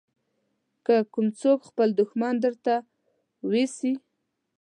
که کوم څوک خپل دښمن درته واېسي.